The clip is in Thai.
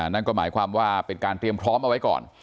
นั่นก็หมายความว่าเป็นการเตรียมพร้อมเอาไว้ก่อน